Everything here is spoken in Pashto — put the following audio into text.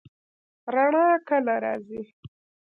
رڼا کله راځي؟